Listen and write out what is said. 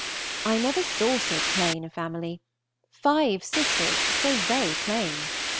I never saw so plain a family, five sisters so very plain!